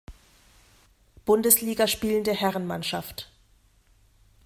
Bundesliga spielende Herrenmannschaft.